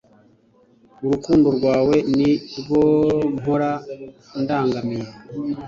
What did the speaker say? urukundo rwawe ni rwo mpora ndangamiye